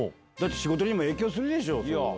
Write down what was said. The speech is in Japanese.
だって仕事にも影響するでしょ。